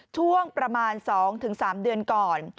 ช่วงประมาณ๒๓เดือนก่อน